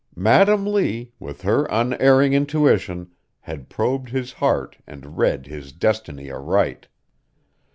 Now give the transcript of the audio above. Madam Lee, with her unerring intuition, had probed his heart and read his destiny aright.